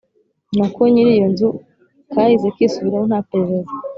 nako nyiri iyo nzu, kahise kisubiraho nta perereza